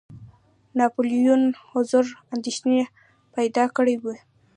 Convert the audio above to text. ناپولیون حضور اندېښنې پیدا کړي وې.